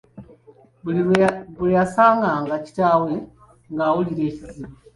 Buli lwe yasanganga kitaawe ng'awulira ekizibu.